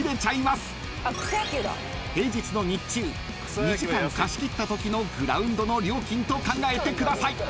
［平日の日中２時間貸し切ったときのグラウンドの料金と考えてください］